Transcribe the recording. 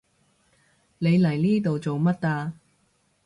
你嚟呢度做乜啊？